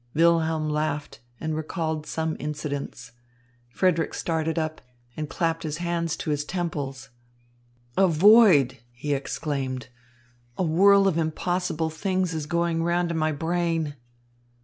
Wilhelm laughed and recalled some incidents. Frederick started up and clapped his hands to his temples. "A void," he exclaimed. "A whirl of impossible things is going round in my brain."